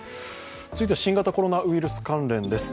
続いては新型コロナウイルス関連です。